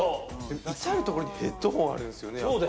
至るところにヘッドホンあるんですよね。